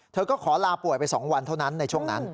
เธอก็ขอลาป่วยไป๒วันเท่านั้นในช่วงนั้น